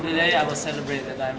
jadi terima kasih untuk makan malam